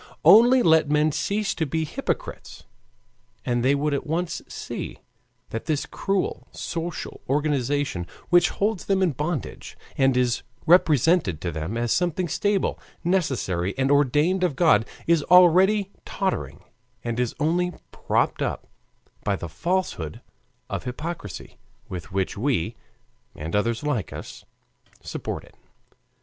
Only let men cease to be hypocrites, and they would at once see that this cruel social organization, which holds them in bondage, and is represented to them as something stable, necessary, and ordained of God, is already tottering and is only propped up by the falsehood of hypocrisy, with which we, and others like us, support it.